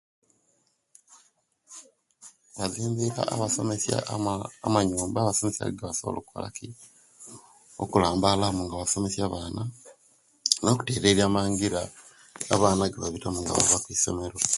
Bazimbire abasomesya ama amanyumba abasomesya agebasobola okukolaki okulambalamu nga basomesya abaana, no kutereria amangira, abaana gebabitamu nga bava kwisomero.